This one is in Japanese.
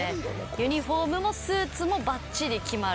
ユニホームもスーツもバッチリ決まる。